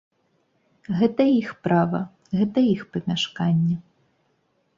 Гэта іх права, гэта іх памяшканне.